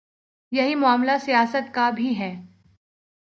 یہی معاملہ سیاست کا بھی ہے۔